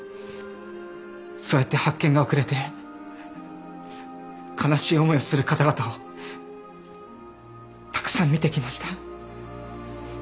そうやって発見が遅れて悲しい思いをする方々をたくさん見てきました。